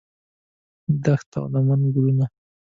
دښت او لمن ګلونه